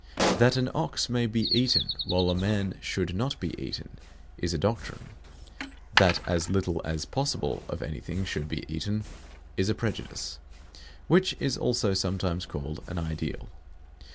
That an ox may be eaten, while a man should not be eaten, is a doctrine. That as little as possible of anything should be eaten is a prejudice; which is also sometimes called an ideal.